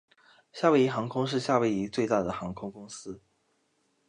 夏威夷航空是夏威夷最大的航空公司。